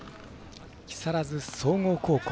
木更津総合高校。